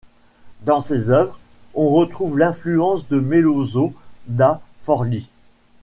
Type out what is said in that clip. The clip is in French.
Dans ses œuvres, on retrouve l'influence de Melozzo da Forlì.